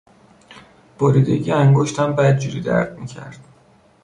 بریدگی انگشتم بدجوری درد میکرد.